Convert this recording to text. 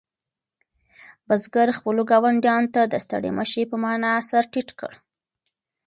بزګر خپلو ګاونډیانو ته د ستړي مه شي په مانا سر ټیټ کړ.